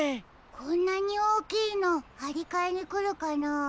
こんなにおおきいのはりかえにくるかなあ。